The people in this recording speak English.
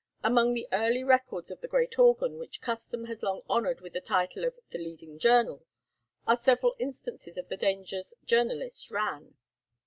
Among the early records of the great organ which custom has long honoured with the title of the "leading journal," are several instances of the dangers journalists ran.